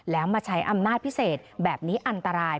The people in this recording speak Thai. แล้วมาใช้อำนาจพิเศษแบบนี้อันตราย